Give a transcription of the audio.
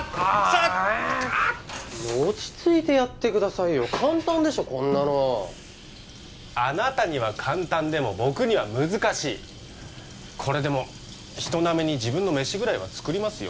あっ落ち着いてやってくださいよ簡単でしょこんなのあなたには簡単でも僕には難しいこれでも人並みに自分の飯ぐらいは作りますよ